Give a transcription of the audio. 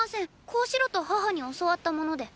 こうしろと母に教わったもので。